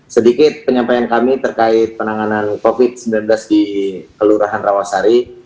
sedikit penyampaian kami terkait penanganan covid sembilan belas di kelurahan rawasari